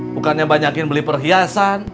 bukannya banyakin beli perhiasan